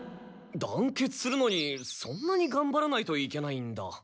だんけつするのにそんなにがんばらないといけないんだ。